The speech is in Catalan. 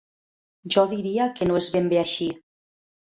Jo diria que no és ben bé així.